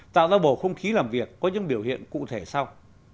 tạo ra bầu không khí làm việc có những biểu hiện cụ thể sau